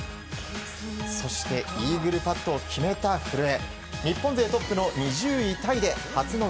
そしてイーグルパットを決めた古江。